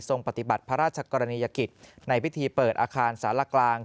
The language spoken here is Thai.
ปฏิบัติพระราชกรณียกิจในพิธีเปิดอาคารสารกลาง